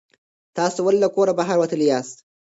تاسو ولې له کوره بهر وتلي یاست؟